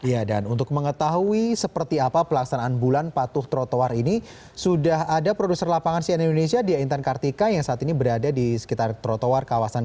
ya dan untuk mengetahui seperti apa pelaksanaan bulan patuh trotoar ini sudah ada produser lapangan sian indonesia dia intan kartika yang saat ini berada di sekitar trotoar kawasan